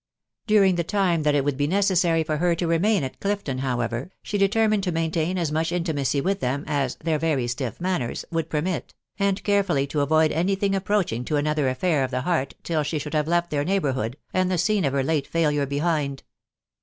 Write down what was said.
During the time that it would be necessary for her to remain at Clifton, however, she determined to maintain as much intimacy with them as " their very stiff manners" would permit, and carefully to avoid any thing approaching to another affair of the heart till she should have left their neighbour hood, and the scene of her late failure behind.